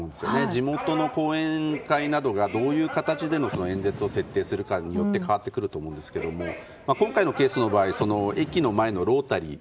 地元の後援会などがどういう形での演説を設定するかによって変わってくると思うんですが今回のケースの場合駅の前のロータリー。